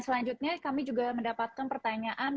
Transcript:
selanjutnya kami juga mendapatkan pertanyaan